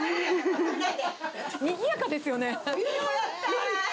見ないにぎやかですよね。